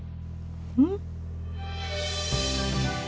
うん。